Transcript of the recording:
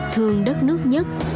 thương đất nước nhất